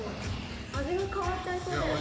味が変わっちゃいそうだよね。